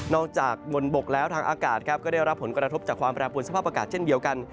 จากบนบกแล้วทางอากาศครับก็ได้รับผลกระทบจากความแปรปวนสภาพอากาศเช่นเดียวกัน